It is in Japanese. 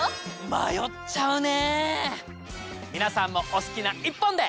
迷っちゃうね！